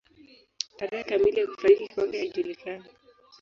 Tarehe kamili ya kufariki kwake haijulikani.